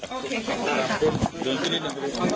อยากขอโทษค่ะ